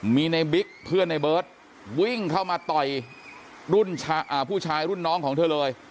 มีในบิ๊กเพื่อนในเบิร์ตวิ่งเข้ามาต่อยรุ่นผู้ชายรุ่นน้องของเธอเลย